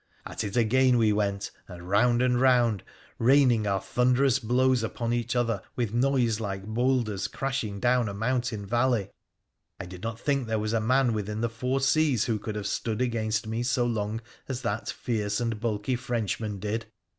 At it again we went, and round and round, raining our thunderous blows upon each other with noise like boulders crashing down a mountain valley. I did not think there was a man within the four seas who could have stood against me so long as that fierce and bulky Frenchman did.